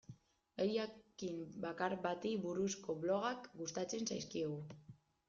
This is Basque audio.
Gai jakin bakar bati buruzko blogak gustatzen zaizkigu.